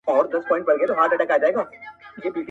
یو سړی وو خدای په ډېر څه نازولی,